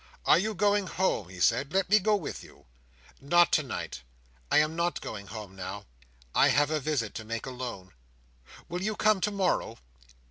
"Are you going home?" he said. "Let me go with you." "Not tonight. I am not going home now; I have a visit to make alone. Will you come to morrow?"